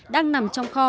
đang nằm trong kho